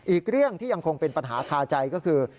อีกเรื่องที่ยังคงเป็นปัญหาคาใจก็คือ